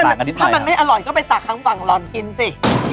ถ้ามันไม่อร่อยก็ไปตักข้างฝั่งหล่อนกินสิ